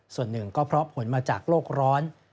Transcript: ส่วนหนึ่งก็เพราะผลมาจากโลกร้อน